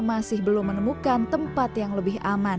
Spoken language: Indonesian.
masih belum menemukan tempat yang lebih aman